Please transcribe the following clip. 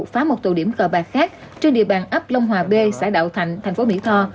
phá một tù điểm cờ bạc khác trên địa bàn ấp long hòa b xã đạo thạnh thành phố mỹ tho